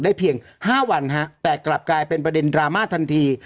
เพียง๕วันฮะแต่กลับกลายเป็นประเด็นดราม่าทันที